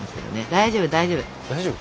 大丈夫大丈夫。